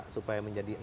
supaya menjadi enam